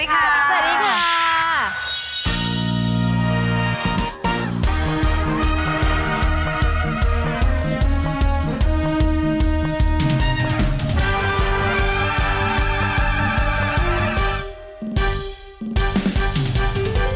ค่ะสวัสดีค่ะ